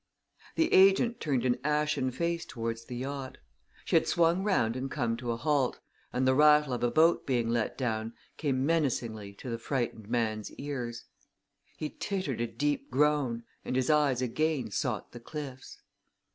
The agent turned an ashen face towards the yacht. She had swung round and come to a halt, and the rattle of a boat being let down came menacingly to the frightened man's ears. He tittered a deep groan and his eyes again sought the cliffs.